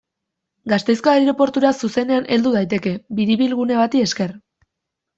Gasteizko aireportura zuzenean heldu daiteke, biribilgune bati esker.